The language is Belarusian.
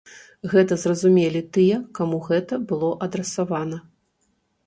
Гэта зразумелі тыя, каму гэта было адрасавана.